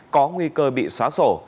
có nguy cơ bị xóa sổ